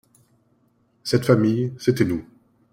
Cette famille, c'était nous.